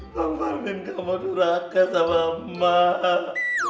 bang parmin gak mau neraka sama emak